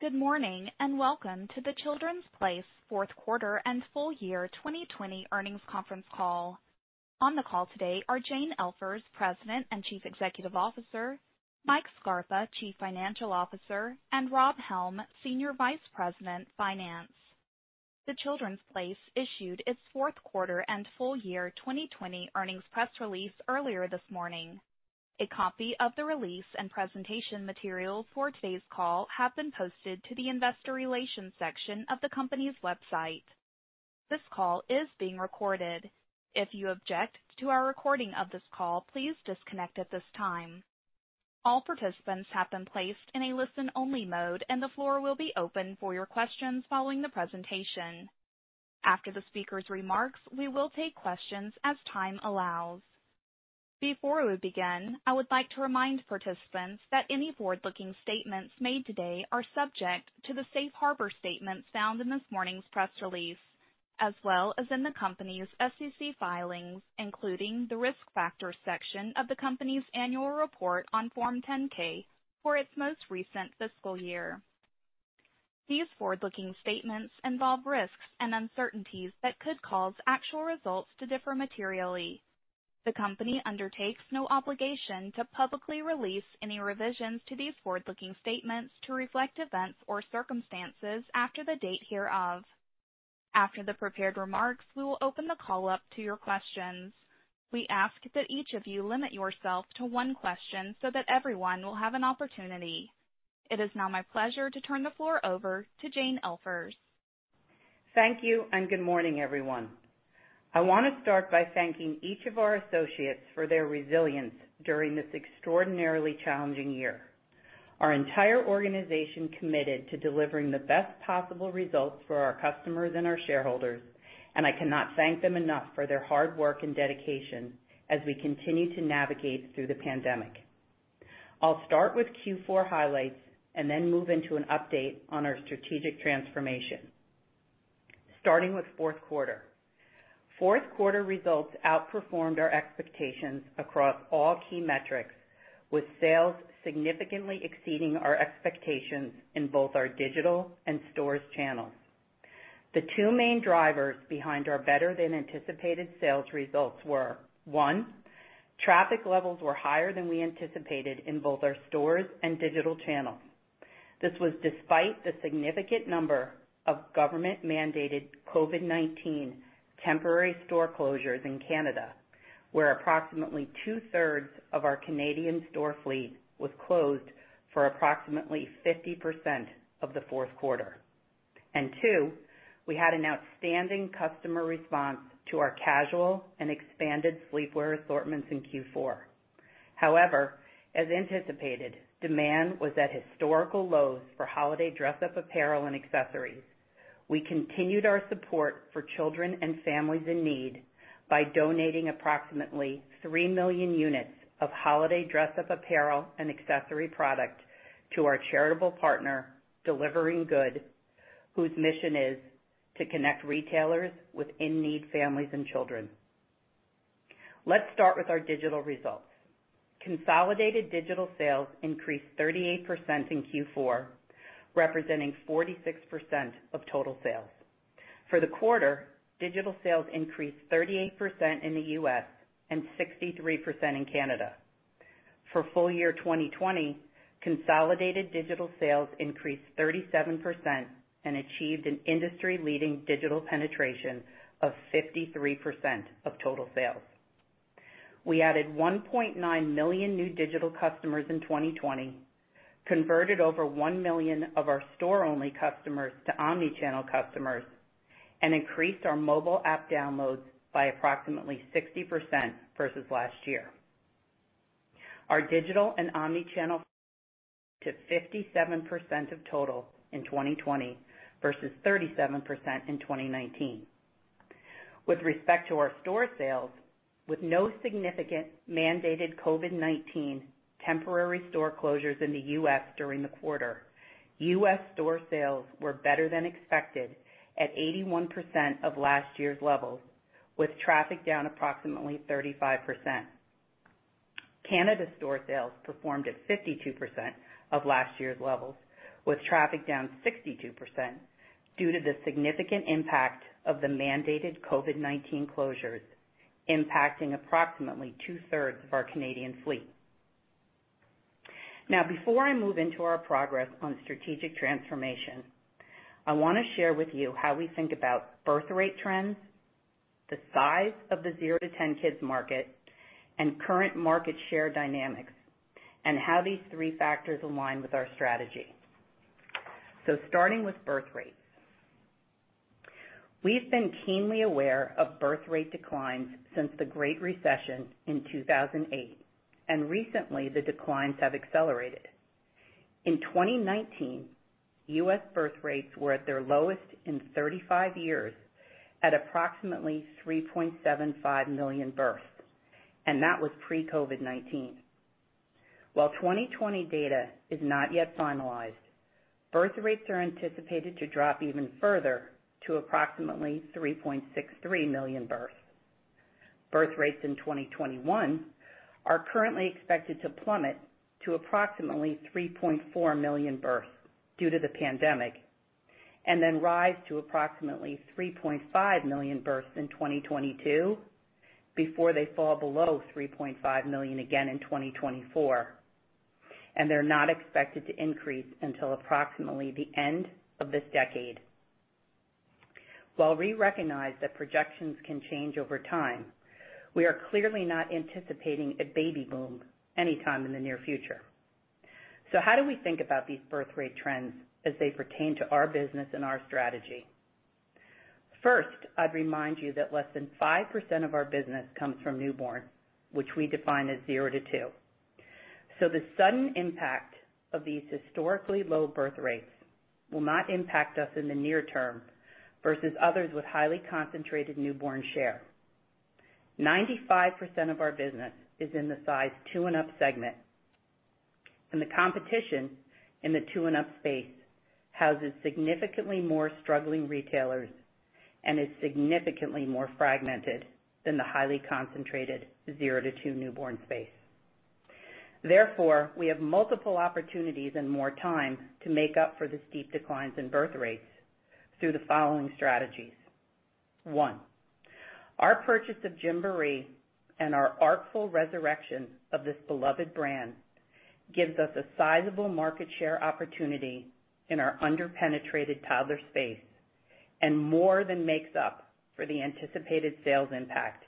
Good morning, and welcome to The Children’s Place fourth quarter and full year 2020 earnings conference call. On the call today are Jane Elfers, President and Chief Executive Officer; Mike Scarpa, Chief Financial Officer; and Rob Helm, Senior Vice President, Finance. The Children’s Place issued its fourth quarter and full year 2020 earnings press release earlier this morning. A copy of the release and presentation material for today’s call have been posted to the investor relations section of the company’s website. This call is being recorded. If you object to our recording of this call, please disconnect at this time. All participants have been placed in a listen-only mode, and the floor will be open for your questions following the presentation. After the speakers' remarks, we will take questions as time allows. Before we begin, I would like to remind participants that any forward-looking statements made today are subject to the safe harbor statements found in this morning’s press release, as well as in the company’s SEC filings, including the Risk Factors section of the company’s annual report on Form 10-K for its most recent fiscal year. These forward-looking statements involve risks and uncertainties that could cause actual results to differ materially. The company undertakes no obligation to publicly release any revisions to these forward-looking statements to reflect events or circumstances after the date hereof. After the prepared remarks, we will open the call up to your questions. We ask that each of you limit yourself to one question so that everyone will have an opportunity. It is now my pleasure to turn the floor over to Jane Elfers. Thank you. Good morning, everyone. I want to start by thanking each of our associates for their resilience during this extraordinarily challenging year. Our entire organization committed to delivering the best possible results for our customers and our shareholders. I cannot thank them enough for their hard work and dedication as we continue to navigate through the pandemic. I’ll start with Q4 highlights and then move into an update on our strategic transformation. Starting with fourth quarter. Fourth quarter results outperformed our expectations across all key metrics, with sales significantly exceeding our expectations in both our digital and stores channels. The two main drivers behind our better than anticipated sales results were, one, traffic levels were higher than we anticipated in both our stores and digital channels. This was despite the significant number of government-mandated COVID-19 temporary store closures in Canada, where approximately two-thirds of our Canadian store fleet was closed for approximately 50% of the fourth quarter. Two, we had an outstanding customer response to our casual and expanded sleepwear assortments in Q4. However, as anticipated, demand was at historical lows for holiday dress-up apparel and accessories. We continued our support for children and families in need by donating approximately 3 million units of holiday dress-up apparel and accessory product to our charitable partner, Delivering Good, whose mission is to connect retailers with in-need families and children. Let’s start with our digital results. Consolidated digital sales increased 38% in Q4, representing 46% of total sales. For the quarter, digital sales increased 38% in the U.S. and 63% in Canada. For full year 2020, consolidated digital sales increased 37% and achieved an industry-leading digital penetration of 53% of total sales. We added 1.9 million new digital customers in 2020, converted over 1 million of our store-only customers to omni-channel customers, and increased our mobile app downloads by approximately 60% versus last year. Our digital and omni-channel to 57% of total in 2020 versus 37% in 2019. With respect to our store sales, with no significant mandated COVID-19 temporary store closures in the U.S. during the quarter, U.S. store sales were better than expected at 81% of last year’s levels, with traffic down approximately 35%. Canada store sales performed at 52% of last year’s levels, with traffic down 62% due to the significant impact of the mandated COVID-19 closures impacting approximately two-thirds of our Canadian fleet. Before I move into our progress on strategic transformation, I want to share with you how we think about birth rate trends, the size of the zero to 10 kids market, and current market share dynamics, and how these three factors align with our strategy. Starting with birth rates. We’ve been keenly aware of birth rate declines since the Great Recession in 2008, and recently, the declines have accelerated. In 2019, U.S. birth rates were at their lowest in 35 years at approximately 3.75 million births, and that was pre-COVID-19. While 2020 data is not yet finalized, birth rates are anticipated to drop even further to approximately 3.63 million births. Birth rates in 2021 are currently expected to plummet to approximately 3.4 million births due to the pandemic, and then rise to approximately 3.5 million births in 2022 before they fall below 3.5 million again in 2024. They're not expected to increase until approximately the end of this decade. While we recognize that projections can change over time, we are clearly not anticipating a baby boom anytime in the near future. How do we think about these birth rate trends as they pertain to our business and our strategy? First, I'd remind you that less than 5% of our business comes from newborn, which we define as zero to two. The sudden impact of these historically low birth rates will not impact us in the near term versus others with highly concentrated newborn share. 95% of our business is in the size two and up segment. The competition in the two and up space houses significantly more struggling retailers and is significantly more fragmented than the highly concentrated zero to two newborn space. Therefore, we have multiple opportunities and more time to make up for the steep declines in birth rates through the following strategies. One, our purchase of Gymboree and our artful resurrection of this beloved brand gives us a sizable market share opportunity in our under-penetrated toddler space and more than makes up for the anticipated sales impact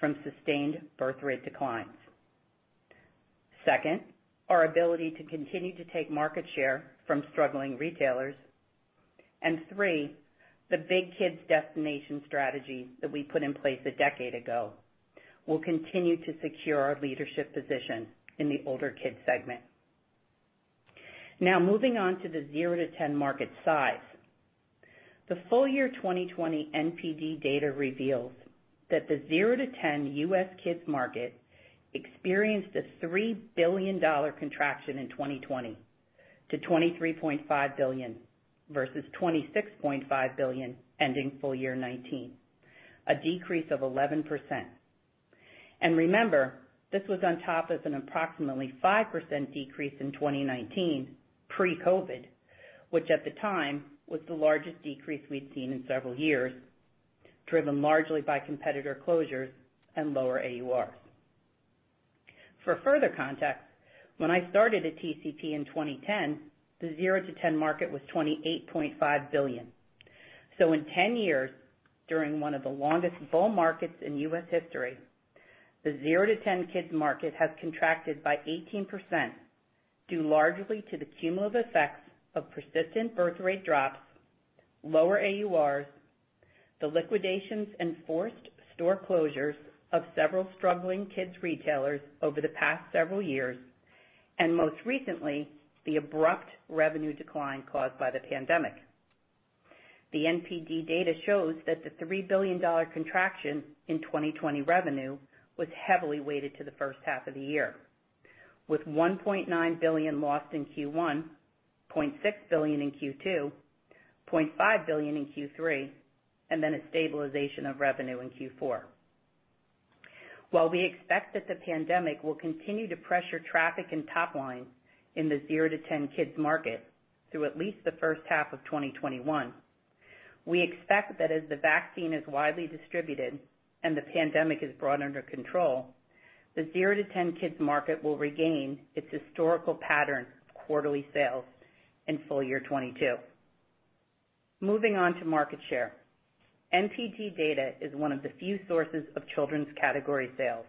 from sustained birth rate declines. Second, our ability to continue to take market share from struggling retailers. Three, the big kids destination strategy that we put in place a decade ago will continue to secure our leadership position in the older kids segment. Now moving on to the zero to 10 market size. The full year 2020 NPD data reveals that the zero to 10 U.S. kids market experienced a $3 billion contraction in 2020 to $23.5 billion versus $26.5 billion ending full year 2019, a decrease of 11%. Remember, this was on top of an approximately 5% decrease in 2019 pre-COVID-19, which at the time was the largest decrease we'd seen in several years, driven largely by competitor closures and lower AURs. For further context, when I started at TCP in 2010, the zero to 10 market was $28.5 billion. In 10 years, during one of the longest bull markets in U.S. history, the zero to 10 kids market has contracted by 18%, due largely to the cumulative effects of persistent birth rate drops, lower AURs, the liquidations and forced store closures of several struggling kids' retailers over the past several years, and most recently, the abrupt revenue decline caused by the pandemic. The NPD data shows that the $3 billion contraction in 2020 revenue was heavily weighted to the first half of the year, with $1.9 billion lost in Q1, $0.6 billion in Q2, $0.5 billion in Q3, and then a stabilization of revenue in Q4. While we expect that the pandemic will continue to pressure traffic and top line in the zero to 10 kids market through at least the first half of 2021, we expect that as the vaccine is widely distributed and the pandemic is brought under control, the zero to 10 kids market will regain its historical pattern of quarterly sales in full year 2022. Moving on to market share. NPD data is one of the few sources of children's category sales.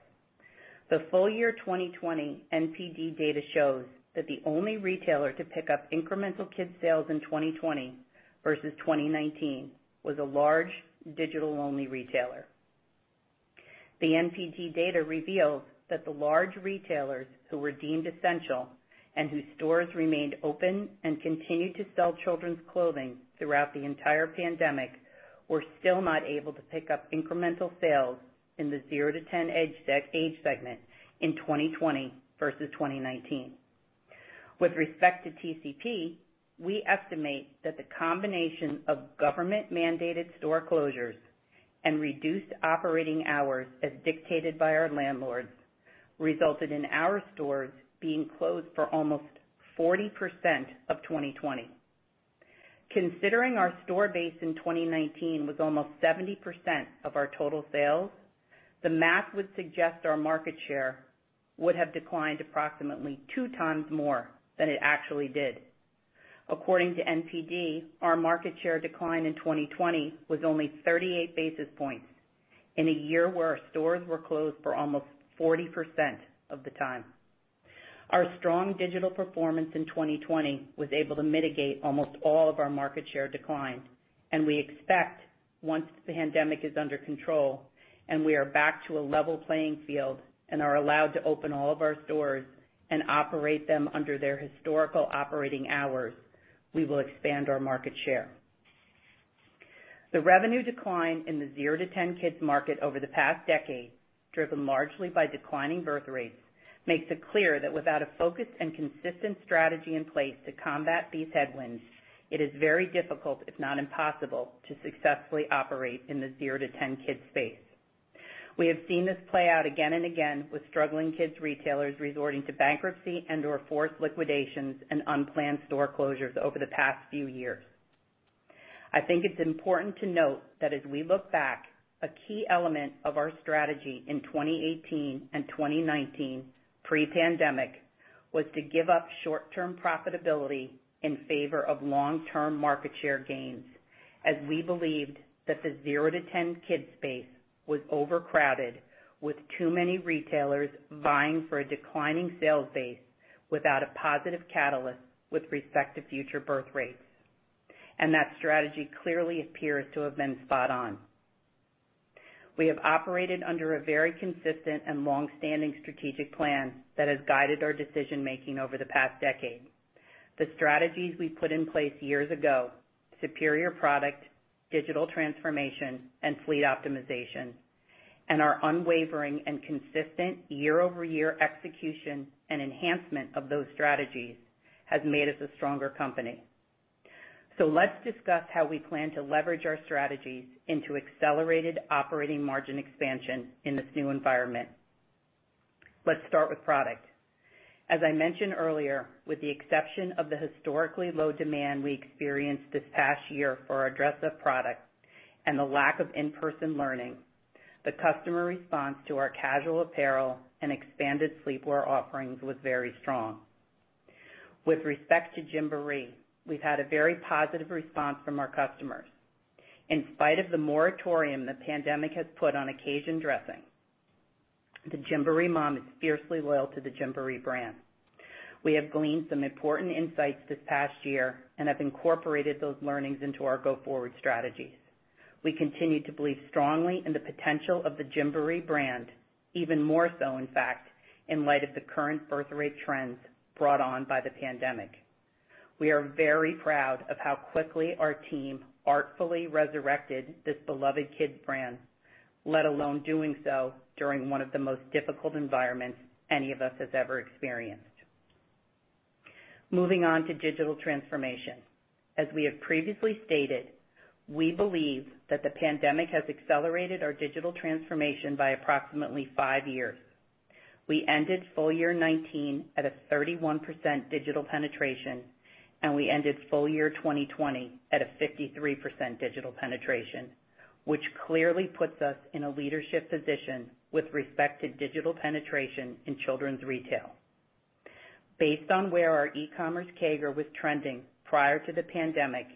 The full year 2020 NPD data shows that the only retailer to pick up incremental kids sales in 2020 versus 2019 was a large digital-only retailer. The NPD data reveals that the large retailers who were deemed essential and whose stores remained open and continued to sell children's clothing throughout the entire pandemic were still not able to pick up incremental sales in the zero to 10 age segment in 2020 versus 2019. With respect to TCP, we estimate that the combination of government mandated store closures and reduced operating hours as dictated by our landlords resulted in our stores being closed for almost 40% of 2020. Considering our store base in 2019 was almost 70% of our total sales, the math would suggest our market share would have declined approximately two times more than it actually did. According to NPD, our market share decline in 2020 was only 38 basis points in a year where our stores were closed for almost 40% of the time. Our strong digital performance in 2020 was able to mitigate almost all of our market share decline, and we expect once the pandemic is under control and we are back to a level playing field and are allowed to open all of our stores and operate them under their historical operating hours, we will expand our market share. The revenue decline in the zero to 10 kids market over the past decade, driven largely by declining birth rates makes it clear that without a focused and consistent strategy in place to combat these headwinds, it is very difficult, if not impossible, to successfully operate in the zero to 10 kid space. We have seen this play out again and again with struggling kids' retailers resorting to bankruptcy and/or forced liquidations and unplanned store closures over the past few years. I think it's important to note that as we look back, a key element of our strategy in 2018 and 2019 pre-pandemic, was to give up short-term profitability in favor of long-term market share gains as we believed that the zero to 10 kid space was overcrowded with too many retailers vying for a declining sales base without a positive catalyst with respect to future birthrates. That strategy clearly appears to have been spot on. We have operated under a very consistent and longstanding strategic plan that has guided our decision-making over the past decade. The strategies we put in place years ago, superior product, digital transformation, and fleet optimization, and our unwavering and consistent year-over-year execution and enhancement of those strategies has made us a stronger company. Let's discuss how we plan to leverage our strategies into accelerated operating margin expansion in this new environment. Let's start with product. As I mentioned earlier, with the exception of the historically low demand we experienced this past year for our dress-up product and the lack of in-person learning, the customer response to our casual apparel and expanded sleepwear offerings was very strong. With respect to Gymboree, we've had a very positive response from our customers. In spite of the moratorium the pandemic has put on occasion dressing, the Gymboree mom is fiercely loyal to the Gymboree brand. We have gleaned some important insights this past year and have incorporated those learnings into our go-forward strategies. We continue to believe strongly in the potential of the Gymboree brand, even more so in fact, in light of the current birthrate trends brought on by the pandemic. We are very proud of how quickly our team artfully resurrected this beloved kids brand, let alone doing so during one of the most difficult environments any of us has ever experienced. Moving on to digital transformation. As we have previously stated, we believe that the pandemic has accelerated our digital transformation by approximately five years. We ended full year 2019 at a 31% digital penetration, and we ended full year 2020 at a 53% digital penetration, which clearly puts us in a leadership position with respect to digital penetration in children's retail. Based on where our e-commerce CAGR was trending prior to the pandemic,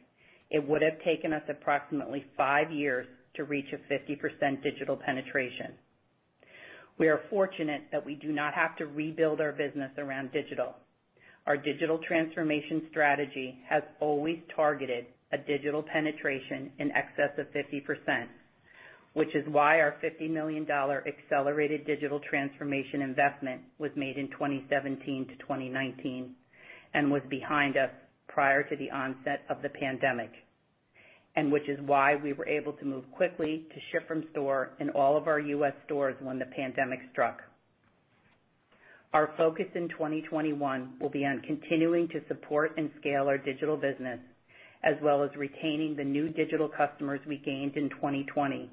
it would have taken us approximately five years to reach a 50% digital penetration. We are fortunate that we do not have to rebuild our business around digital. Our digital transformation strategy has always targeted a digital penetration in excess of 50%, which is why our $50 million accelerated digital transformation investment was made in 2017 to 2019 and was behind us prior to the onset of the pandemic. Which is why we were able to move quickly to ship from store in all of our U.S. stores when the pandemic struck. Our focus in 2021 will be on continuing to support and scale our digital business, as well as retaining the new digital customers we gained in 2020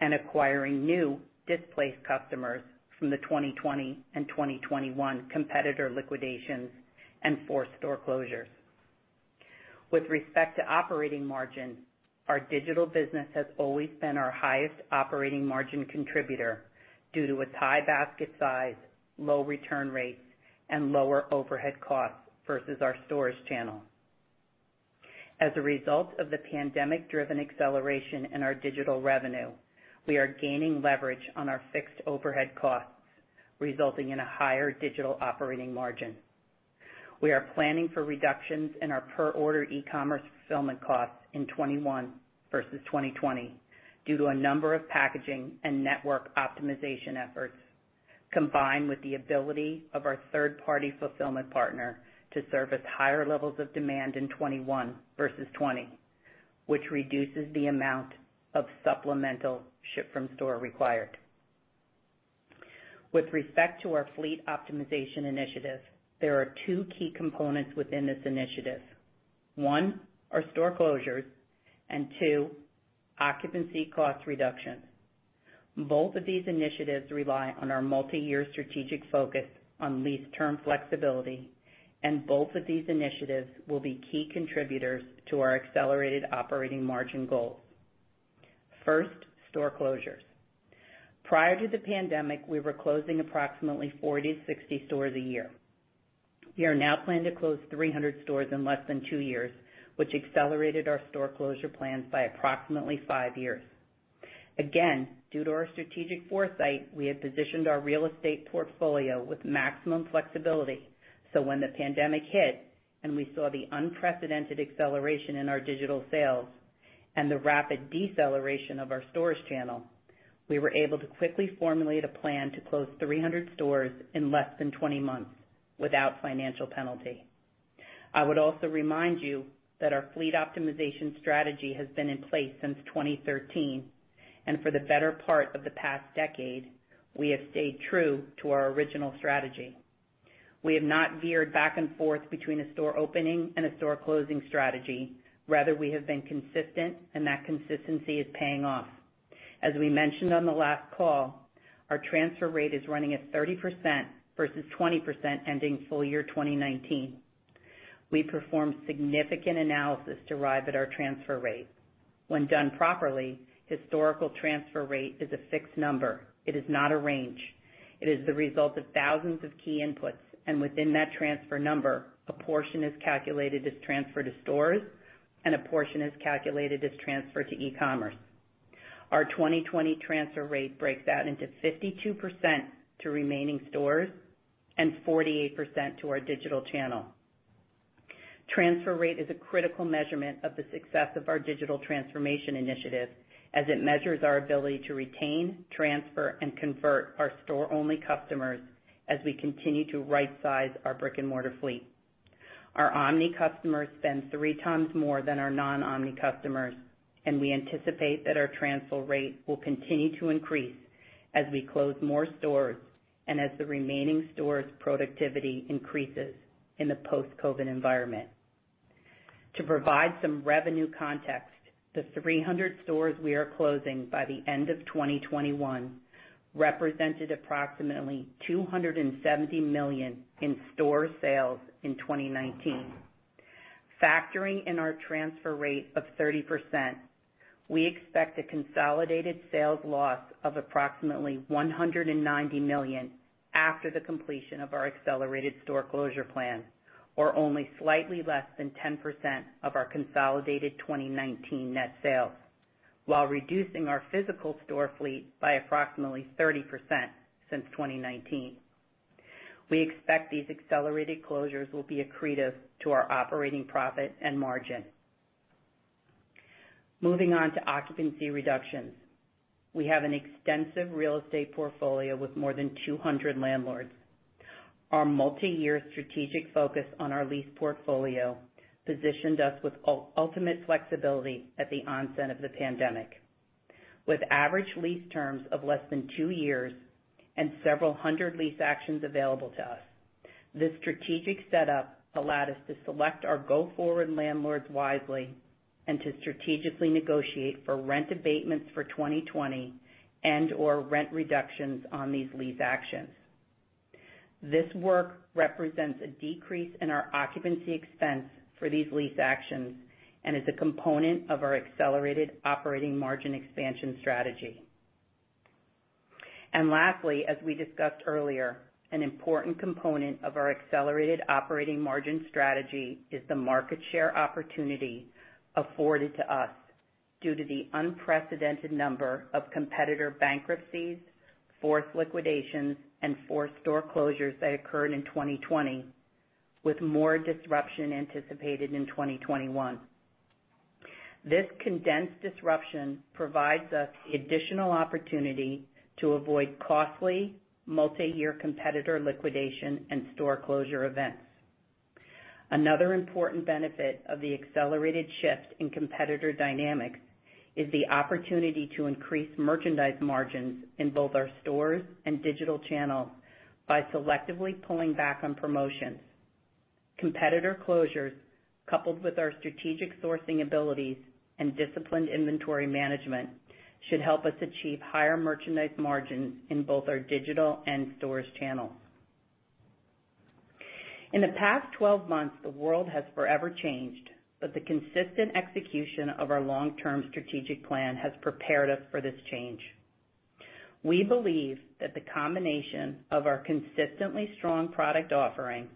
and acquiring new displaced customers from the 2020 and 2021 competitor liquidations and forced store closures. With respect to operating margin, our digital business has always been our highest operating margin contributor due to its high basket size, low return rates, and lower overhead costs versus our stores channel. As a result of the pandemic driven acceleration in our digital revenue, we are gaining leverage on our fixed overhead costs, resulting in a higher digital operating margin. We are planning for reductions in our per order e-commerce fulfillment costs in 2021 versus 2020 due to a number of packaging and network optimization efforts, combined with the ability of our third-party fulfillment partner to service higher levels of demand in 2021 versus 2020, which reduces the amount of supplemental ship from store required. With respect to our Fleet Optimization Initiative, there are two key components within this initiative. One, our store closures, and two, occupancy cost reductions. Both of these initiatives rely on our multi-year strategic focus on lease term flexibility, and both of these initiatives will be key contributors to our accelerated operating margin goals. First, store closures. Prior to the pandemic, we were closing approximately 40 to 60 stores a year. We are now planned to close 300 stores in less than two years, which accelerated our store closure plans by approximately five years. Again, due to our strategic foresight, we had positioned our real estate portfolio with maximum flexibility, so when the pandemic hit and we saw the unprecedented acceleration in our digital sales and the rapid deceleration of our stores channel, we were able to quickly formulate a plan to close 300 stores in less than 20 months without financial penalty. I would also remind you that our fleet optimization strategy has been in place since 2013, and for the better part of the past decade, we have stayed true to our original strategy. We have not veered back and forth between a store opening and a store closing strategy. Rather, we have been consistent, and that consistency is paying off. As we mentioned on the last call, our transfer rate is running at 30% versus 20% ending full year 2019. We performed significant analysis to arrive at our transfer rate. When done properly, historical transfer rate is a fixed number. It is not a range. It is the result of thousands of key inputs, and within that transfer number, a portion is calculated as transfer to stores and a portion is calculated as transfer to e-commerce. Our 2020 transfer rate breaks out into 52% to remaining stores and 48% to our digital channel. Transfer rate is a critical measurement of the success of our digital transformation initiative as it measures our ability to retain, transfer, and convert our store-only customers as we continue to right size our brick-and-mortar fleet. Our omni customers spend three times more than our non-omni customers. We anticipate that our transfer rate will continue to increase as we close more stores and as the remaining stores' productivity increases in the post-COVID environment. To provide some revenue context, the 300 stores we are closing by the end of 2021 represented approximately $270 million in store sales in 2019. Factoring in our transfer rate of 30%, we expect a consolidated sales loss of approximately $190 million after the completion of our accelerated store closure plan, or only slightly less than 10% of our consolidated 2019 net sales, while reducing our physical store fleet by approximately 30% since 2019. We expect these accelerated closures will be accretive to our operating profit and margin. Moving on to occupancy reductions. We have an extensive real estate portfolio with more than 200 landlords. Our multi-year strategic focus on our lease portfolio positioned us with ultimate flexibility at the onset of the pandemic. With average lease terms of less than two years and several hundred lease actions available to us, this strategic setup allowed us to select our go forward landlords wisely and to strategically negotiate for rent abatements for 2020 and/or rent reductions on these lease actions. This work represents a decrease in our occupancy expense for these lease actions and is a component of our accelerated operating margin expansion strategy. Lastly, as we discussed earlier, an important component of our accelerated operating margin strategy is the market share opportunity afforded to us due to the unprecedented number of competitor bankruptcies, forced liquidations, and forced store closures that occurred in 2020, with more disruption anticipated in 2021. This condensed disruption provides us the additional opportunity to avoid costly multi-year competitor liquidation and store closure events. Another important benefit of the accelerated shift in competitor dynamics is the opportunity to increase merchandise margins in both our stores and digital channels by selectively pulling back on promotions. Competitor closures, coupled with our strategic sourcing abilities and disciplined inventory management, should help us achieve higher merchandise margins in both our digital and stores channels. In the past 12 months, the world has forever changed, but the consistent execution of our long term strategic plan has prepared us for this change. We believe that the combination of our consistently strong product offering,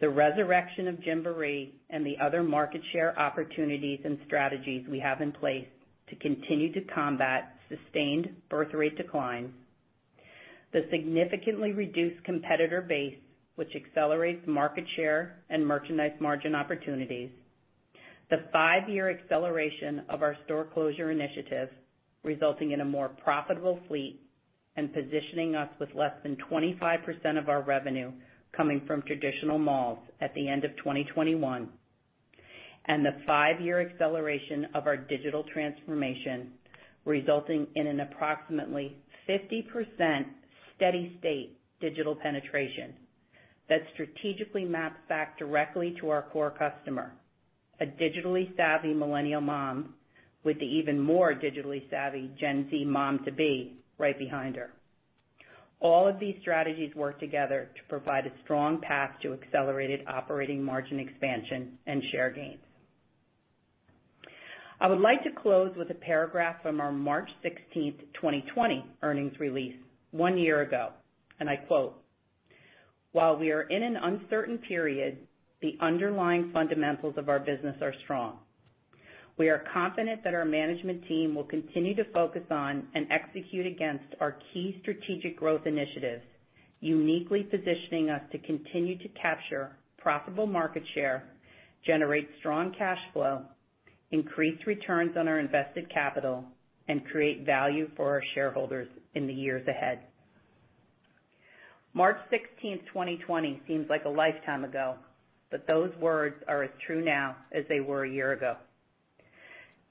the resurrection of Gymboree, and the other market share opportunities and strategies we have in place to continue to combat sustained birth rate declines, the significantly reduced competitor base, which accelerates market share and merchandise margin opportunities, the five-year acceleration of our store closure initiative resulting in a more profitable fleet and positioning us with less than 25% of our revenue coming from traditional malls at the end of 2021, and the five-year acceleration of our digital transformation resulting in an approximately 50% steady state digital penetration that strategically maps back directly to our core customer, a digitally savvy millennial mom with the even more digitally savvy Gen Z mom-to-be right behind her. All of these strategies work together to provide a strong path to accelerated operating margin expansion and share gains. I would like to close with a paragraph from our March 16th, 2020 earnings release one year ago, and I quote, "While we are in an uncertain period, the underlying fundamentals of our business are strong. We are confident that our management team will continue to focus on and execute against our key strategic growth initiatives, uniquely positioning us to continue to capture profitable market share, generate strong cash flow, increase returns on our invested capital, and create value for our shareholders in the years ahead." March 16th, 2020 seems like a lifetime ago, but those words are as true now as they were a year ago.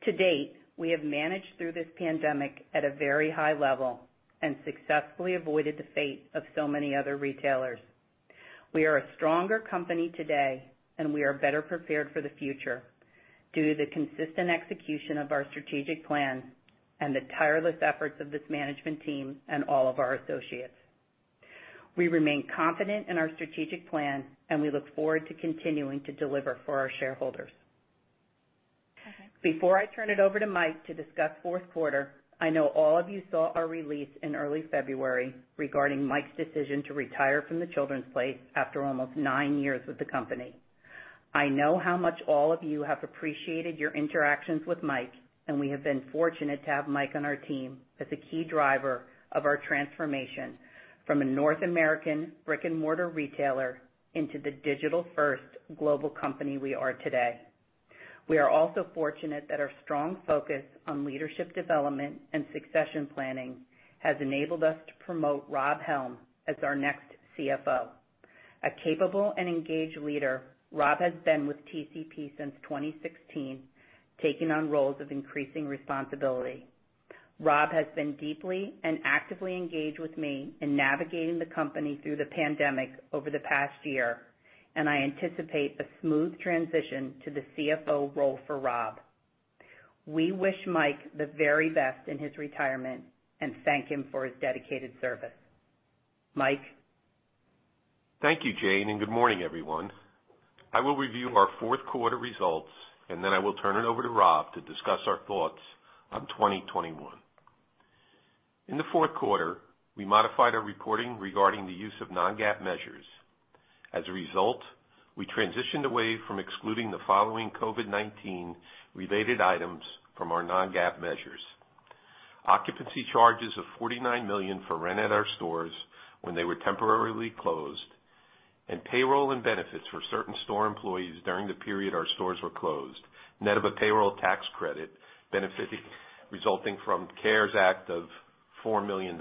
To date, we have managed through this pandemic at a very high level and successfully avoided the fate of so many other retailers. We are a stronger company today, and we are better prepared for the future due to the consistent execution of our strategic plan and the tireless efforts of this management team and all of our associates. We remain confident in our strategic plan, and we look forward to continuing to deliver for our shareholders. Before I turn it over to Mike to discuss fourth quarter, I know all of you saw our release in early February regarding Mike's decision to retire from The Children's Place after almost nine years with the company. I know how much all of you have appreciated your interactions with Mike, and we have been fortunate to have Mike on our team as a key driver of our transformation from a North American brick-and-mortar retailer into the digital-first global company we are today. We are also fortunate that our strong focus on leadership development and succession planning has enabled us to promote Rob Helm as our next Chief Financial Officer. A capable and engaged leader, Rob has been with TCP since 2016, taking on roles of increasing responsibility. Rob has been deeply and actively engaged with me in navigating the company through the pandemic over the past year, and I anticipate a smooth transition to the Chief Financial Officer role for Rob. We wish Mike the very best in his retirement and thank him for his dedicated service. Mike? Thank you, Jane, and good morning, everyone. I will review our fourth quarter results, and then I will turn it over to Rob to discuss our thoughts on 2021. In the fourth quarter, we modified our reporting regarding the use of non-GAAP measures. As a result, we transitioned away from excluding the following COVID-19 related items from our non-GAAP measures. Occupancy charges of $49 million for rent at our stores when they were temporarily closed, and payroll and benefits for certain store employees during the period our stores were closed, net of a payroll tax credit benefit resulting from the CARES Act of $4 million.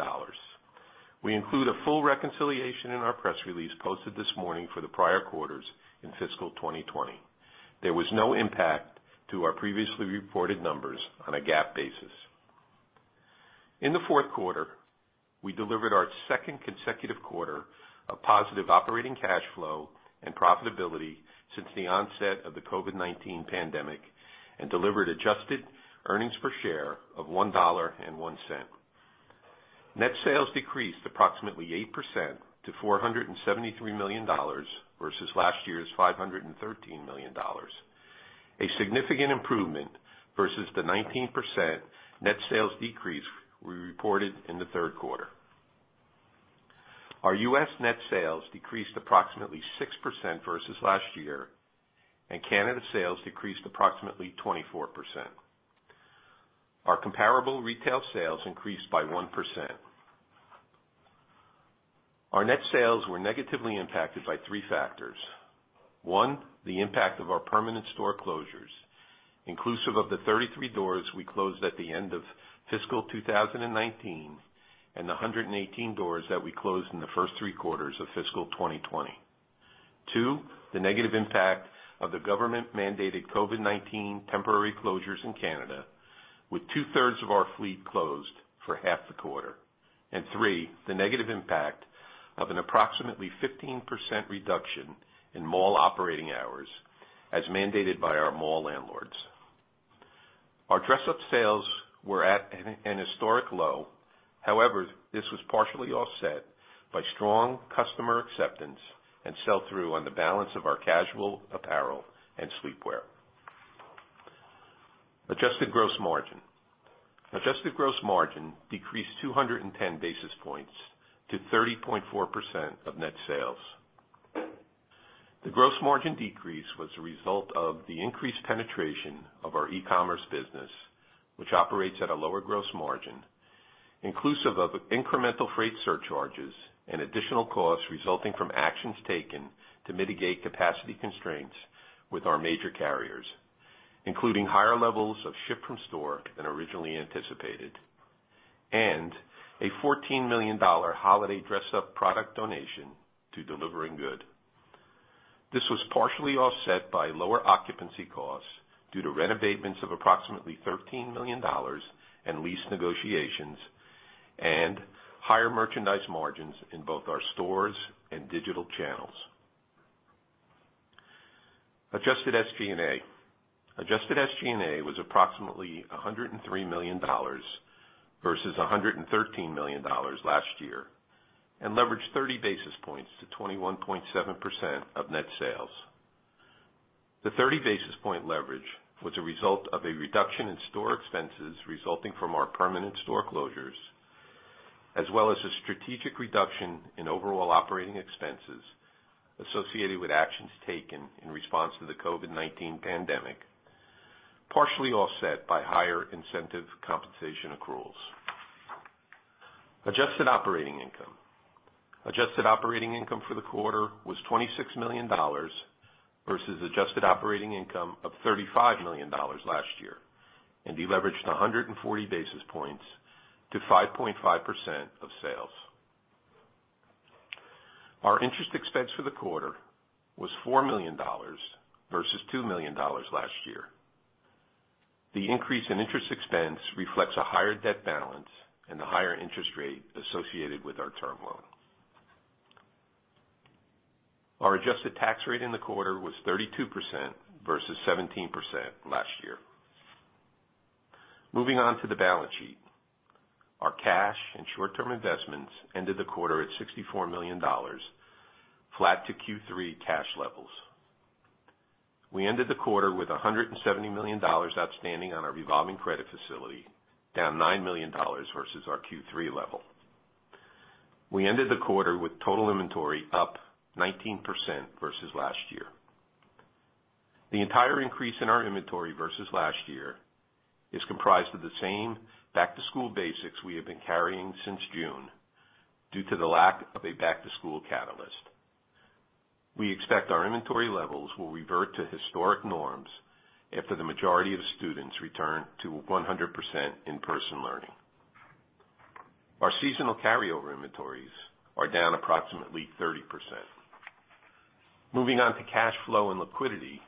We include a full reconciliation in our press release posted this morning for the prior quarters in fiscal 2020. There was no impact to our previously reported numbers on a GAAP basis. In the fourth quarter, we delivered our second consecutive quarter of positive operating cash flow and profitability since the onset of the COVID-19 pandemic and delivered adjusted earnings per share of $1.01. Net sales decreased approximately 8% to $473 million versus last year's $513 million, a significant improvement versus the 19% net sales decrease we reported in the third quarter. Our U.S. net sales decreased approximately 6% versus last year, and Canada sales decreased approximately 24%. Our comparable retail sales increased by 1%. Our net sales were negatively impacted by three factors. One, the impact of our permanent store closures, inclusive of the 33 doors we closed at the end of fiscal 2019 and the 118 doors that we closed in the first three quarters of fiscal 2020. Two, the negative impact of the government-mandated COVID-19 temporary closures in Canada, with two-thirds of our fleet closed for half the quarter. Three, the negative impact of an approximately 15% reduction in mall operating hours as mandated by our mall landlords. Our dress-up sales were at an historic low. However, this was partially offset by strong customer acceptance and sell-through on the balance of our casual apparel and sleepwear. Adjusted gross margin. Adjusted gross margin decreased 210 basis points to 30.4% of net sales. The gross margin decrease was the result of the increased penetration of our e-commerce business, which operates at a lower gross margin, inclusive of incremental freight surcharges and additional costs resulting from actions taken to mitigate capacity constraints with our major carriers, including higher levels of ship from store than originally anticipated, and a $14 million holiday dress-up product donation to Delivering Good. This was partially offset by lower occupancy costs due to rent abatements of approximately $13 million in lease negotiations and higher merchandise margins in both our stores and digital channels. Adjusted SG&A. Adjusted SG&A was approximately $103 million versus $113 million last year and leveraged 30 basis points to 21.7% of net sales. The 30 basis point leverage was a result of a reduction in store expenses resulting from our permanent store closures, as well as a strategic reduction in overall operating expenses associated with actions taken in response to the COVID-19 pandemic, partially offset by higher incentive compensation accruals. Adjusted operating income. Adjusted operating income for the quarter was $26 million versus adjusted operating income of $35 million last year. Deleveraged 140 basis points to 5.5% of sales. Our interest expense for the quarter was $4 million versus $2 million last year. The increase in interest expense reflects a higher debt balance and the higher interest rate associated with our term loan. Our adjusted tax rate in the quarter was 32% versus 17% last year. Moving on to the balance sheet. Our cash and short-term investments ended the quarter at $64 million, flat to Q3 cash levels. We ended the quarter with $170 million outstanding on our revolving credit facility, down $9 million versus our Q3 level. We ended the quarter with total inventory up 19% versus last year. The entire increase in our inventory versus last year is comprised of the same back-to-school basics we have been carrying since June, due to the lack of a back-to-school catalyst. We expect our inventory levels will revert to historic norms after the majority of students return to 100% in-person learning. Our seasonal carryover inventories are down approximately 30%. Moving on to cash flow and liquidity.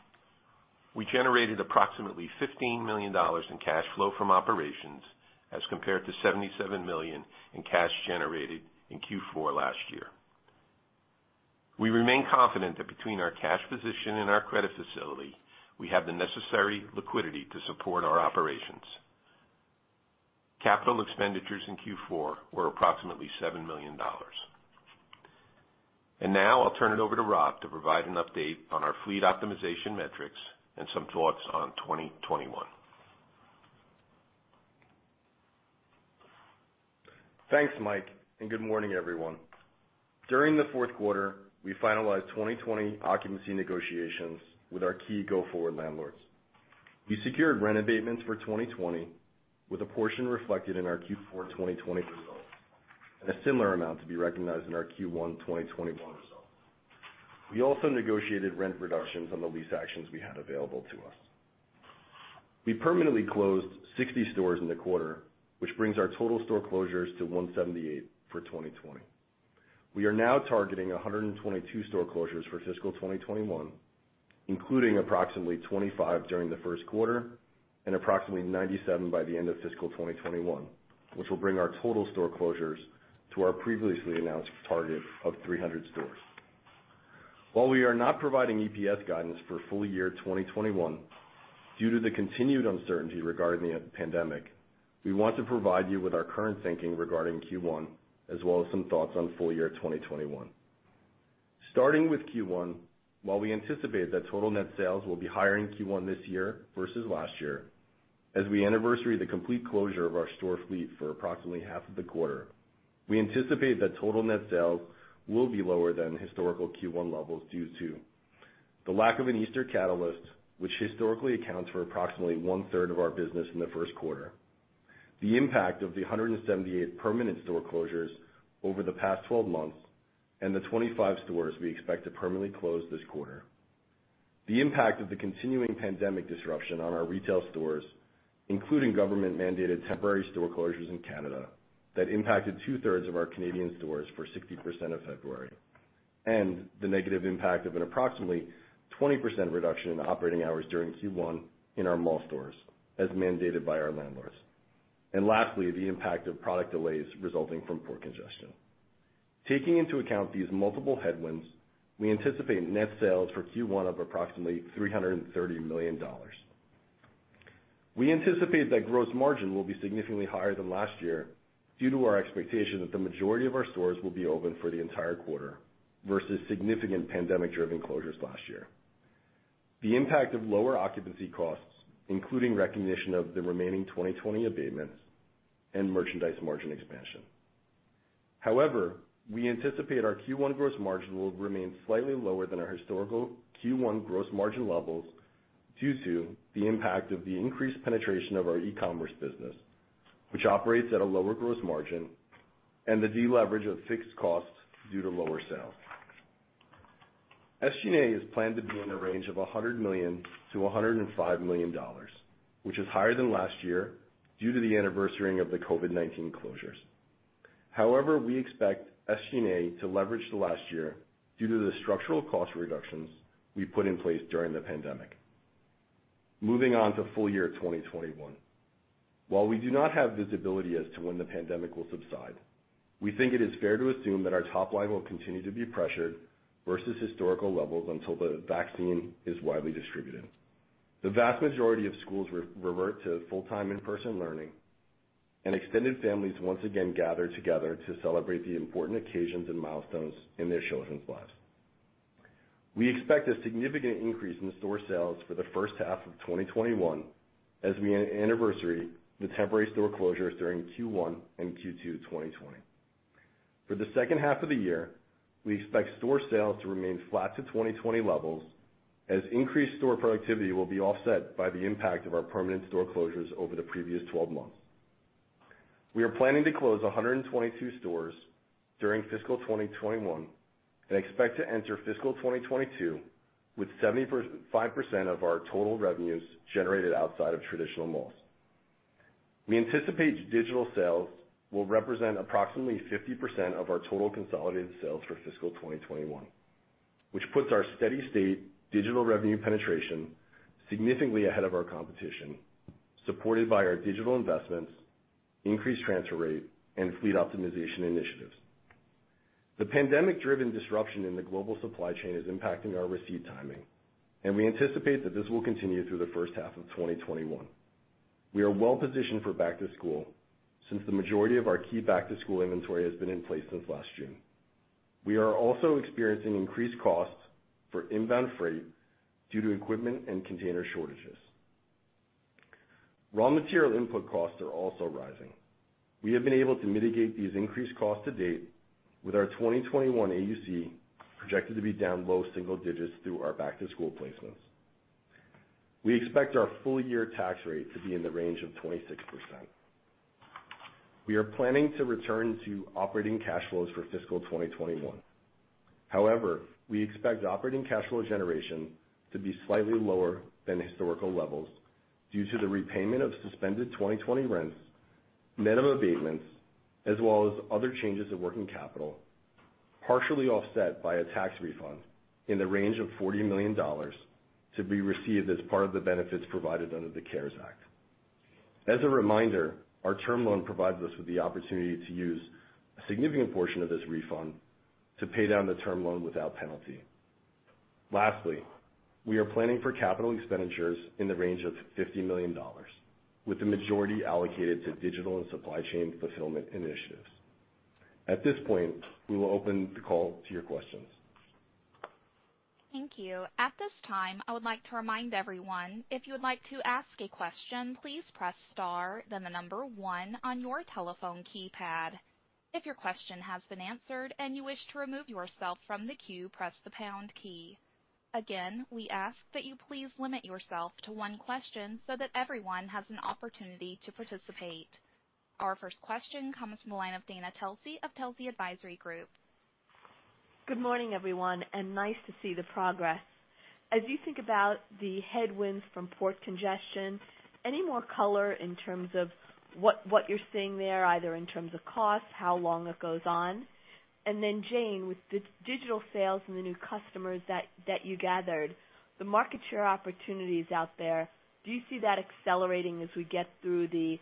We generated approximately $15 million in cash flow from operations, as compared to $77 million in cash generated in Q4 last year. We remain confident that between our cash position and our credit facility, we have the necessary liquidity to support our operations. Capital expenditures in Q4 were approximately $7 million. Now I'll turn it over to Rob to provide an update on our fleet optimization metrics and some thoughts on 2021. Thanks, Mike, good morning, everyone. During the fourth quarter, we finalized 2020 occupancy negotiations with our key go-forward landlords. We secured rent abatements for 2020, with a portion reflected in our Q4 2020 results, and a similar amount to be recognized in our Q1 2021 results. We also negotiated rent reductions on the lease actions we had available to us. We permanently closed 60 stores in the quarter, which brings our total store closures to 178 for 2020. We are now targeting 122 store closures for fiscal 2021, including approximately 25 during the first quarter and approximately 97 by the end of fiscal 2021, which will bring our total store closures to our previously announced target of 300 stores. While we are not providing EPS guidance for full year 2021, due to the continued uncertainty regarding the pandemic, we want to provide you with our current thinking regarding Q1, as well as some thoughts on full year 2021. Starting with Q1, while we anticipate that total net sales will be higher in Q1 this year versus last year, as we anniversary the complete closure of our store fleet for approximately half of the quarter, we anticipate that total net sales will be lower than historical Q1 levels due to the lack of an Easter catalyst, which historically accounts for approximately one-third of our business in the first quarter, the impact of the 178 permanent store closures over the past 12 months, and the 25 stores we expect to permanently close this quarter, the impact of the continuing pandemic disruption on our retail stores, including government-mandated temporary store closures in Canada that impacted two-thirds of our Canadian stores for 60% of February, and the negative impact of an approximately 20% reduction in operating hours during Q1 in our mall stores, as mandated by our landlords. Lastly, the impact of product delays resulting from port congestion. Taking into account these multiple headwinds, we anticipate net sales for Q1 of approximately $330 million. We anticipate that gross margin will be significantly higher than last year due to our expectation that the majority of our stores will be open for the entire quarter versus significant pandemic-driven closures last year. The impact of lower occupancy costs, including recognition of the remaining 2020 abatements and merchandise margin expansion. However, we anticipate our Q1 gross margin will remain slightly lower than our historical Q1 gross margin levels due to the impact of the increased penetration of our e-commerce business, which operates at a lower gross margin, and the deleverage of fixed costs due to lower sales. SG&A is planned to be in the range of $100 million-$105 million, which is higher than last year due to the anniversarying of the COVID-19 closures. However, we expect SG&A to leverage the last year due to the structural cost reductions we put in place during the pandemic. Moving on to full year 2021. While we do not have visibility as to when the pandemic will subside, we think it is fair to assume that our top line will continue to be pressured versus historical levels until the vaccine is widely distributed. The vast majority of schools revert to full-time in-person learning, and extended families once again gather together to celebrate the important occasions and milestones in their children's lives. We expect a significant increase in store sales for the first half of 2021 as we anniversary the temporary store closures during Q1 and Q2 2020. For the second half of the year, we expect store sales to remain flat to 2020 levels as increased store productivity will be offset by the impact of our permanent store closures over the previous 12 months. We are planning to close 122 stores during fiscal 2021 and expect to enter fiscal 2022 with 75% of our total revenues generated outside of traditional malls. We anticipate digital sales will represent approximately 50% of our total consolidated sales for fiscal 2021, which puts our steady state digital revenue penetration significantly ahead of our competition, supported by our digital investments, increased transfer rate, and fleet optimization initiatives. The pandemic-driven disruption in the global supply chain is impacting our receipt timing, and we anticipate that this will continue through the first half of 2021. We are well positioned for back to school since the majority of our key back to school inventory has been in place since last June. We are also experiencing increased costs for inbound freight due to equipment and container shortages. Raw material input costs are also rising. We have been able to mitigate these increased costs to date with our 2021 AUC projected to be down low single digits through our back to school placements. We expect our full year tax rate to be in the range of 26%. We are planning to return to operating cash flows for fiscal 2021. However, we expect operating cash flow generation to be slightly lower than historical levels due to the repayment of suspended 2020 rents, net of abatements, as well as other changes of working capital, partially offset by a tax refund in the range of $40 million to be received as part of the benefits provided under the CARES Act. As a reminder, our term loan provides us with the opportunity to use a significant portion of this refund to pay down the term loan without penalty. Lastly, we are planning for capital expenditures in the range of $50 million, with the majority allocated to digital and supply chain fulfillment initiatives. At this point, we will open the call to your questions. Thank you. At this time, I would like to remind everyone, if you would like to ask a question, please press star then the number one on your telephone keypad. If your question has been answered and you wish to remove yourself from the queue, press the pound key. Again, we ask that you please limit yourself to one question so that everyone has an opportunity to participate. Our first question comes from the line of Dana Telsey of Telsey Advisory Group. Good morning, everyone, nice to see the progress. As you think about the headwinds from port congestion, any more color in terms of what you're seeing there, either in terms of cost, how long it goes on? Then Jane, with digital sales and the new customers that you gathered, the market share opportunities out there, do you see that accelerating as we get to the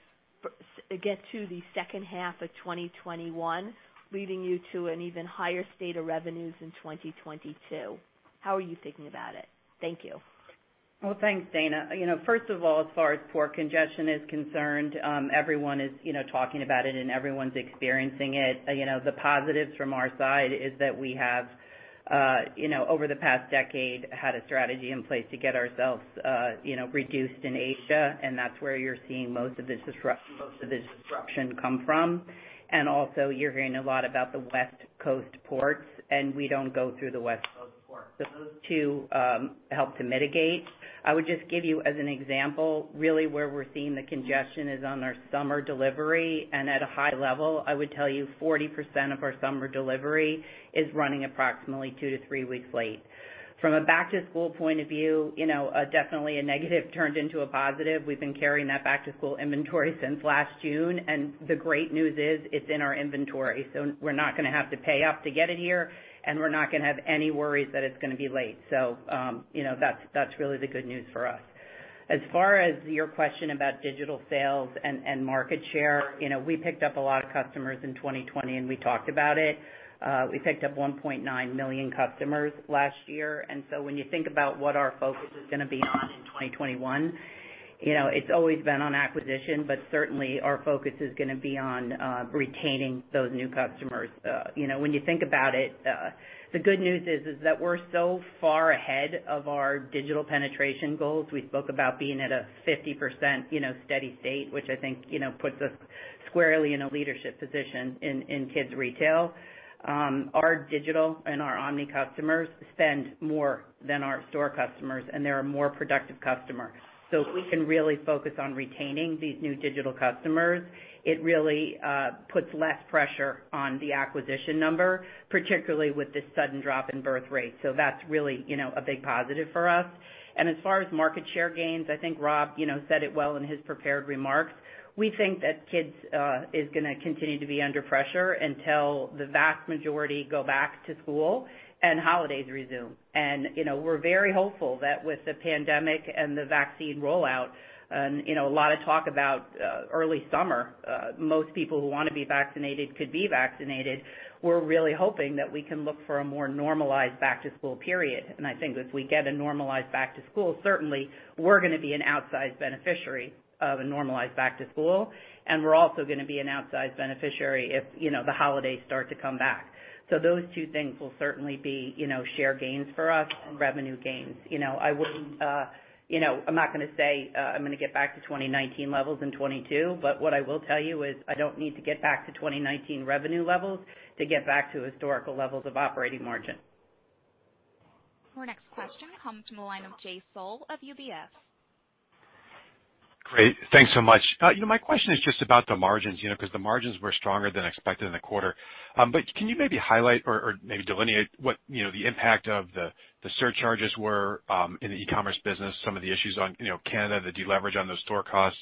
second half of 2021, leading you to an even higher state of revenues in 2022? How are you thinking about it? Thank you. Well, thanks, Dana. First of all, as far as port congestion is concerned, everyone is talking about it and everyone's experiencing it. The positives from our side is that we have over the past decade, had a strategy in place to get ourselves reduced in Asia. That's where you're seeing most of this disruption come from. Also you're hearing a lot about the West Coast ports. We don't go through the West Coast ports. Those two help to mitigate. I would just give you as an example, really where we're seeing the congestion is on our summer delivery. At a high level, I would tell you 40% of our summer delivery is running approximately two to three weeks late. From a back to school point of view, definitely a negative turned into a positive. We've been carrying that back to school inventory since last June, and the great news is it's in our inventory. We're not going to have to pay up to get it here, and we're not going to have any worries that it's going to be late. That's really the good news for us. As far as your question about digital sales and market share, we picked up a lot of customers in 2020, and we talked about it. We picked up 1.9 million customers last year. When you think about what our focus is going to be on in 2021, it's always been on acquisition, but certainly our focus is going to be on retaining those new customers. When you think about it, the good news is that we're so far ahead of our digital penetration goals. We spoke about being at a 50% steady state, which I think puts us squarely in a leadership position in kids retail. Our digital and our omni customers spend more than our store customers, and they're a more productive customer. If we can really focus on retaining these new digital customers, it really puts less pressure on the acquisition number, particularly with this sudden drop in birth rate. That's really a big positive for us. As far as market share gains, I think Rob said it well in his prepared remarks. We think that kids is going to continue to be under pressure until the vast majority go back to school and holidays resume. We're very hopeful that with the pandemic and the vaccine rollout, a lot of talk about early summer, most people who want to be vaccinated could be vaccinated. We're really hoping that we can look for a more normalized back to school period. I think if we get a normalized back to school, certainly we're going to be an outsized beneficiary of a normalized back to school. We're also going to be an outsized beneficiary if the holidays start to come back. Those two things will certainly be share gains for us and revenue gains. I'm not going to say I'm going to get back to 2019 levels in 2022, but what I will tell you is I don't need to get back to 2019 revenue levels to get back to historical levels of operating margin. Our next question comes from the line of Jay Sole of UBS. Great. Thanks so much. My question is just about the margins, because the margins were stronger than expected in the quarter. Can you maybe highlight or maybe delineate what the impact of the surcharges were in the e-commerce business, some of the issues on Canada, the deleverage on those store costs,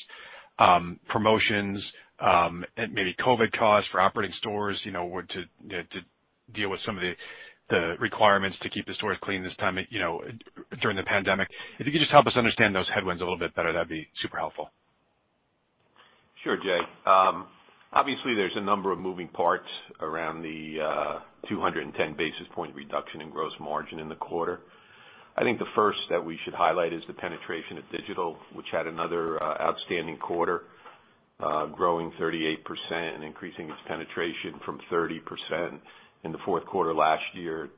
promotions, and maybe COVID-19 costs for operating stores to deal with some of the requirements to keep the stores clean this time during the pandemic? If you could just help us understand those headwinds a little bit better, that'd be super helpful. Sure, Jay. Obviously, there's a number of moving parts around the 210 basis point reduction in gross margin in the quarter. I think the first that we should highlight is the penetration of digital, which had another outstanding quarter, growing 38% and increasing its penetration from 30% in the fourth quarter last year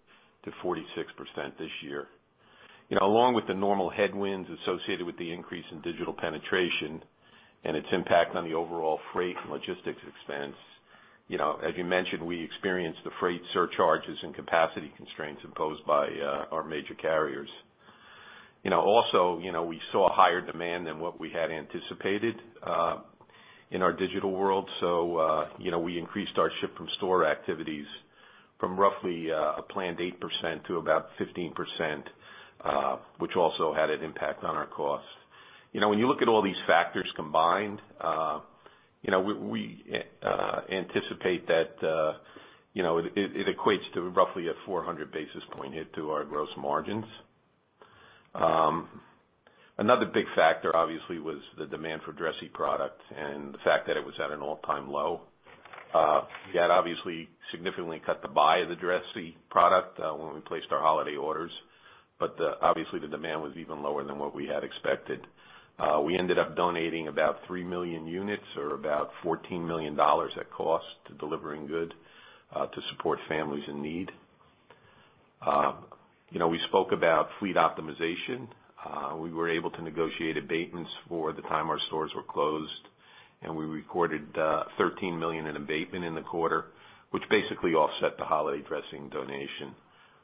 to 46% this year. Along with the normal headwinds associated with the increase in digital penetration and its impact on the overall freight and logistics expense, as you mentioned, we experienced the freight surcharges and capacity constraints imposed by our major carriers. We saw higher demand than what we had anticipated in our digital world. We increased our ship from store activities from roughly a planned 8% to about 15%, which also had an impact on our cost. When you look at all these factors combined, we anticipate that it equates to roughly a 400 basis point hit to our gross margins. Another big factor, obviously, was the demand for dressy product and the fact that it was at an all time low. We had obviously significantly cut the buy of the dressy product when we placed our holiday orders, but obviously the demand was even lower than what we had expected. We ended up donating about 3 million units or about $14 million at cost to Delivering Good, to support families in need. We spoke about fleet optimization. We were able to negotiate abatements for the time our stores were closed, we recorded $13 million in abatement in the quarter, which basically offset the holiday dressing donation.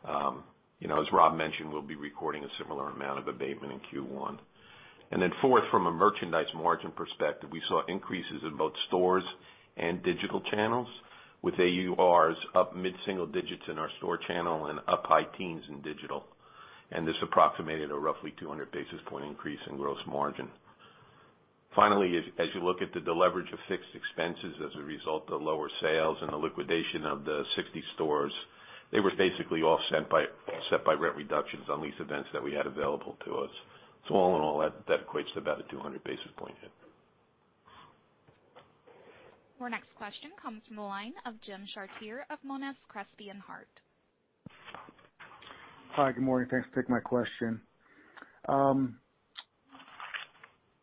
As Rob mentioned, we'll be recording a similar amount of abatement in Q1. Then fourth, from a merchandise margin perspective, we saw increases in both stores and digital channels with AURs up mid-single digits in our store channel and up high teens in digital. This approximated a roughly 200 basis point increase in gross margin. Finally, as you look at the deleverage of fixed expenses as a result of lower sales and the liquidation of the 60 stores, they were basically offset by rent reductions on lease events that we had available to us. All in all, that equates to about a 200 basis point hit. Our next question comes from the line of Jim Chartier of Monness, Crespi and Hardt. Hi. Good morning. Thanks for taking my question.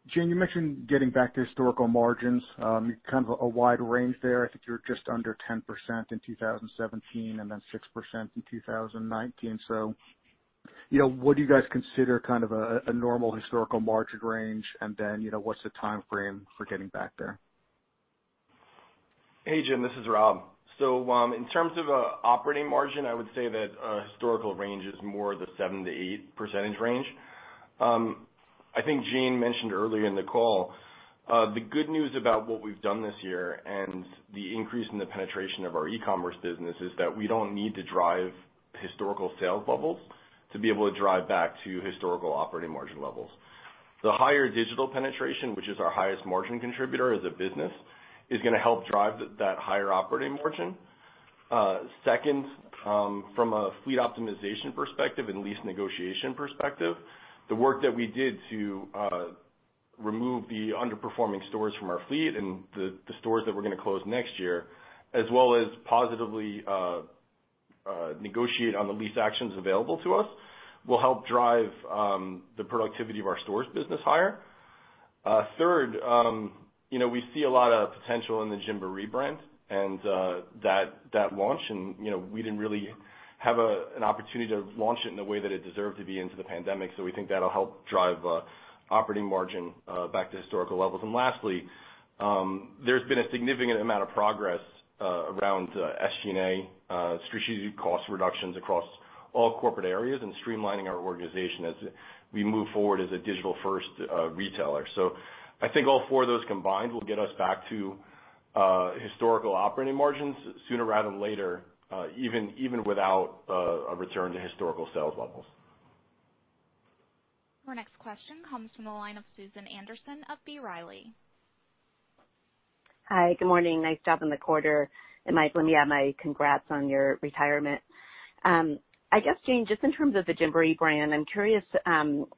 Jane, you mentioned getting back to historical margins, kind of a wide range there. I think you were just under 10% in 2017 and then 6% in 2019. What do you guys consider a normal historical margin range? What's the timeframe for getting back there? Hey, Jim, this is Rob. In terms of operating margin, I would say that historical range is more the 7%-8% range. I think Jane mentioned earlier in the call, the good news about what we've done this year and the increase in the penetration of our e-commerce business is that we don't need to drive historical sales levels to be able to drive back to historical operating margin levels. The higher digital penetration, which is our highest margin contributor as a business, is going to help drive that higher operating margin. Second, from a fleet optimization perspective and lease negotiation perspective, the work that we did to remove the underperforming stores from our fleet and the stores that we're going to close next year, as well as positively negotiate on the lease actions available to us, will help drive the productivity of our stores business higher. We see a lot of potential in the Gymboree brand and that launch, and we didn't really have an opportunity to launch it in the way that it deserved to be into the pandemic. We think that'll help drive operating margin back to historical levels. Lastly, there's been a significant amount of progress around SG&A strategic cost reductions across all corporate areas and streamlining our organization as we move forward as a digital first retailer. I think all four of those combined will get us back to historical operating margins sooner rather than later, even without a return to historical sales levels. Our next question comes from the line of Susan Anderson of B. Riley. Hi. Good morning. Nice job in the quarter. Mike, let me add my congrats on your retirement. I guess, Jane, just in terms of the Gymboree brand, I'm curious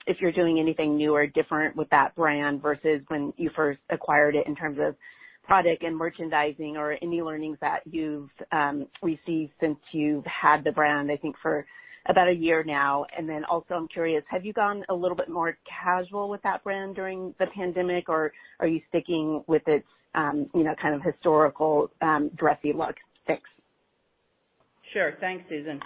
if you're doing anything new or different with that brand versus when you first acquired it in terms of product and merchandising or any learnings that you've received since you've had the brand, I think, for about a year now. Also, I'm curious, have you gone a little bit more casual with that brand during the pandemic, or are you sticking with its kind of historical dressy look still? Sure. Thanks, Susan.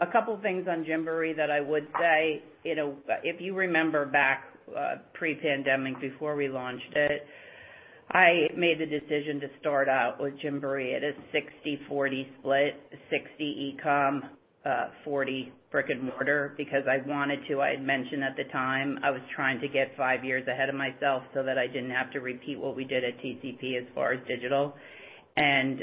A couple things on Gymboree that I would say. If you remember back pre-pandemic, before we launched it. I made the decision to start out with Gymboree at a 60/40 split, 60% e-com, 40% brick-and-mortar, because I wanted to. I had mentioned at the time I was trying to get five years ahead of myself so that I didn't have to repeat what we did at TCP as far as digital.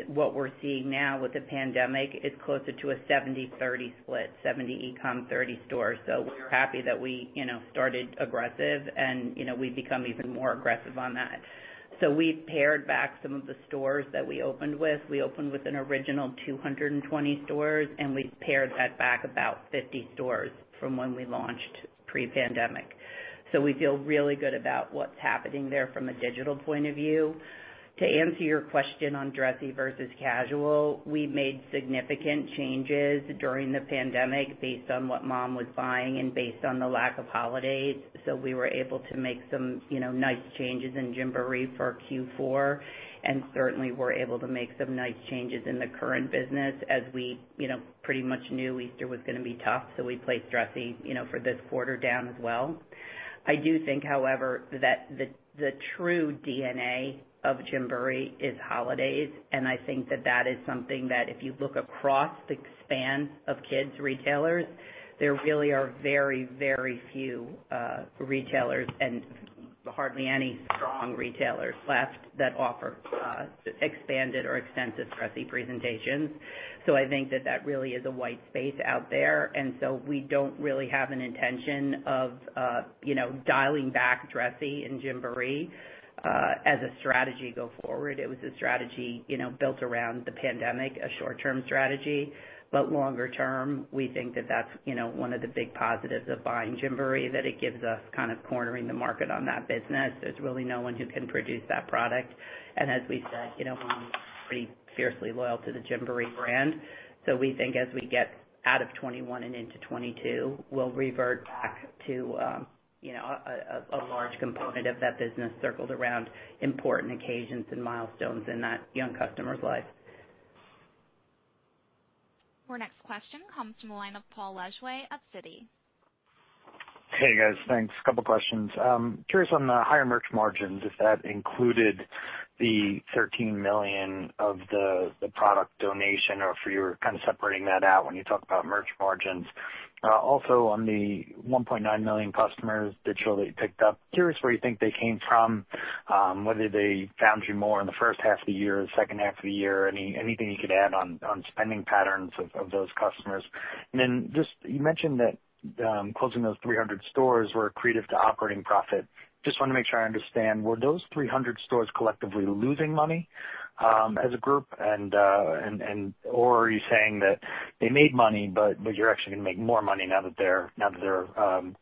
What we're seeing now with the pandemic is closer to a 70/30 split, 70% e-com, 30% stores. We're happy that we started aggressive and we've become even more aggressive on that. We've pared back some of the stores that we opened with. We opened with an original 220 stores, and we've pared that back about 50 stores from when we launched pre-pandemic. We feel really good about what's happening there from a digital point of view. To answer your question on dressy versus casual, we made significant changes during the pandemic based on what mom was buying and based on the lack of holidays. We were able to make some nice changes in Gymboree for Q4, and certainly were able to make some nice changes in the current business as we pretty much knew Easter was going to be tough, so we placed dressy for this quarter down as well. I do think, however, that the true DNA of Gymboree is holidays, and I think that that is something that if you look across the span of kids retailers, there really are very few retailers and hardly any strong retailers left that offer expanded or extensive dressy presentations. I think that that really is a white space out there, and so we don't really have an intention of dialing back dressy in Gymboree as a strategy go forward. It was a strategy built around the pandemic, a short-term strategy. Longer-term, we think that that's one of the big positives of buying Gymboree, that it gives us cornering the market on that business. There's really no one who can produce that product. As we've said, moms are pretty fiercely loyal to the Gymboree brand. We think as we get out of 2021 and into 2022, we'll revert back to a large component of that business circled around important occasions and milestones in that young customer's life. Our next question comes from the line of Paul Lejuez of Citi. Hey, guys. Thanks. A couple questions. Curious on the higher merch margins, if that included the $13 million of the product donation, or if you were separating that out when you talk about merch margins. Also, on the 1.9 million customers digitally picked up, curious where you think they came from, whether they found you more in the first half of the year, second half of the year, anything you could add on spending patterns of those customers. Then just, you mentioned that closing those 300 stores were accretive to operating profit. Just want to make sure I understand. Were those 300 stores collectively losing money as a group? Or are you saying that they made money but you're actually going to make more money now that they're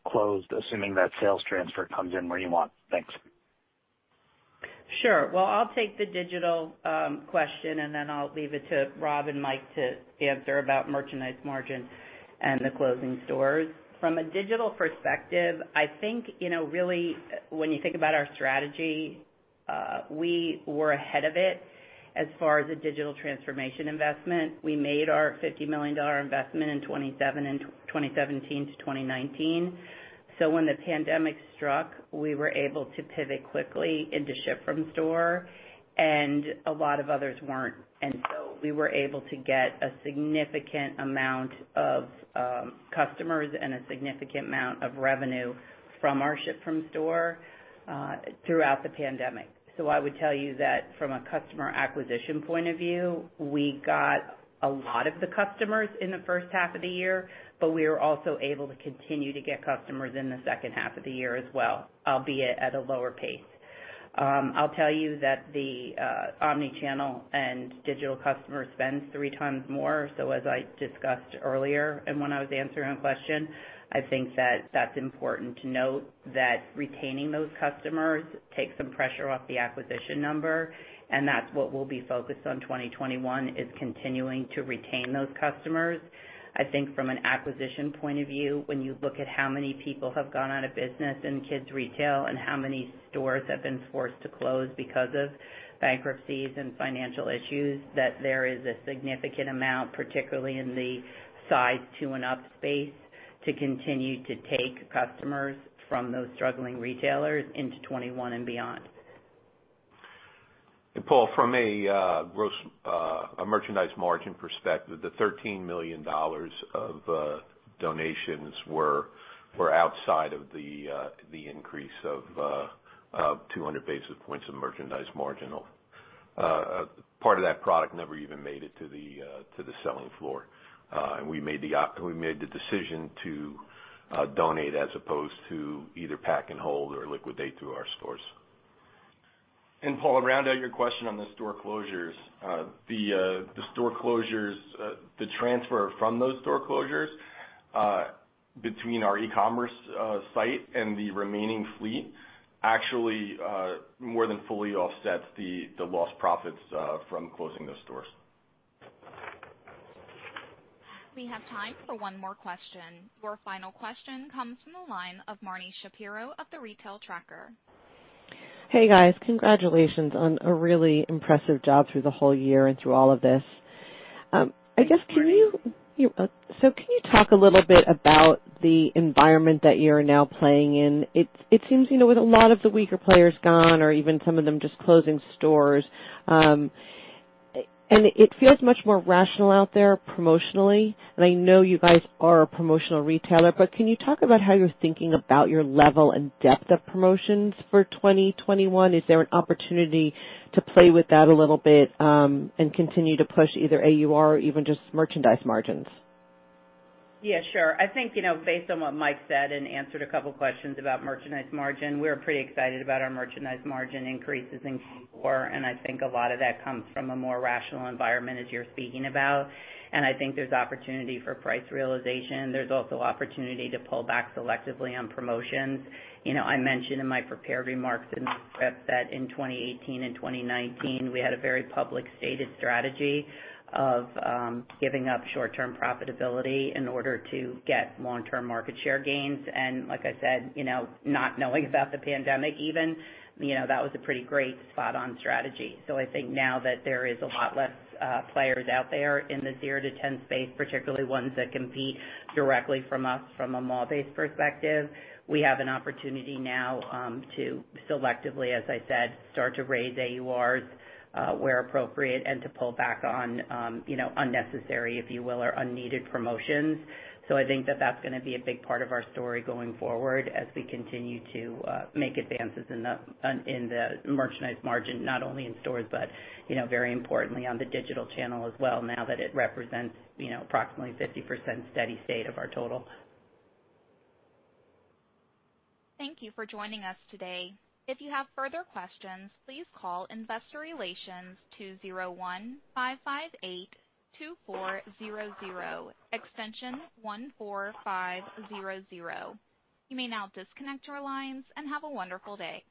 closed, assuming that sales transfer comes in where you want? Thanks. Sure. Well, I'll take the digital question, and then I'll leave it to Rob and Mike to answer about merchandise margin and the closing stores. From a digital perspective, I think really when you think about our strategy, we were ahead of it as far as the digital transformation investment. We made our $50 million investment in 2017 to 2019. When the pandemic struck, we were able to pivot quickly into ship from store, and a lot of others weren't. We were able to get a significant amount of customers and a significant amount of revenue from our ship from store throughout the pandemic. I would tell you that from a customer acquisition point of view, we got a lot of the customers in the first half of the year, but we were also able to continue to get customers in the second half of the year as well, albeit at a lower pace. I'll tell you that the omni-channel and digital customer spends three times more. As I discussed earlier, and when I was answering a question, I think that that's important to note that retaining those customers takes some pressure off the acquisition number, and that's what we'll be focused on 2021, is continuing to retain those customers. I think from an acquisition point of view, when you look at how many people have gone out of business in kids retail and how many stores have been forced to close because of bankruptcies and financial issues, that there is a significant amount, particularly in the size two and up space, to continue to take customers from those struggling retailers into 2021 and beyond. Paul, from a merchandise margin perspective, the $13 million of donations were outside of the increase of 200 basis points of merchandise margin. Part of that product never even made it to the selling floor. We made the decision to donate as opposed to either pack and hold or liquidate through our stores. Paul, to round out your question on the store closures. The transfer from those store closures between our e-commerce site and the remaining fleet actually more than fully offsets the lost profits from closing those stores. We have time for one more question. Your final question comes from the line of Marni Shapiro of The Retail Tracker. Hey, guys. Congratulations on a really impressive job through the whole year and through all of this. I guess, can you talk a little bit about the environment that you're now playing in? It seems, with a lot of the weaker players gone, or even some of them just closing stores, and it feels much more rational out there promotionally, and I know you guys are a promotional retailer, but can you talk about how you're thinking about your level and depth of promotions for 2021? Is there an opportunity to play with that a little bit, and continue to push either AUR or even just merchandise margins? Yeah, sure. I think, based on what Mike said and answered a couple questions about merchandise margin, we're pretty excited about our merchandise margin increases in Q4, I think a lot of that comes from a more rational environment as you're speaking about. I think there's opportunity for price realization. There's also opportunity to pull back selectively on promotions. I mentioned in my prepared remarks in the script that in 2018 and 2019, we had a very public stated strategy of giving up short-term profitability in order to get long-term market share gains. Like I said, not knowing about the pandemic even, that was a pretty great spot-on strategy. I think now that there is a lot less players out there in the zero to 10 space, particularly ones that compete directly from us from a mall-based perspective, we have an opportunity now to selectively, as I said, start to raise AURs where appropriate and to pull back on unnecessary, if you will, or unneeded promotions. I think that that's going to be a big part of our story going forward as we continue to make advances in the merchandise margin, not only in stores, but very importantly on the digital channel as well now that it represents approximately 50% steady state of our total. Thank you for joining us today. If you have further questions, please call investor relations 201-558-2400, extension 14500. You may now disconnect your lines and have a wonderful day.